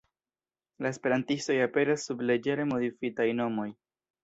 La esperantistoj aperas sub leĝere modifitaj nomoj.